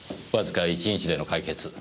わずか１日での解決